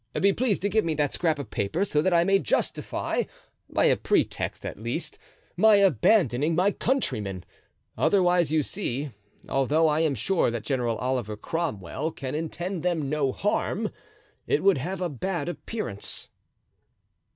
Be pleased to give me that scrap of paper so that I may justify, by a pretext at least, my abandoning my countrymen. Otherwise, you see, although I am sure that General Oliver Cromwell can intend them no harm, it would have a bad appearance."